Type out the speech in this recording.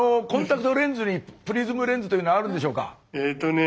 コンタクトレンズにプリズムレンズというのはあるんでしょうか？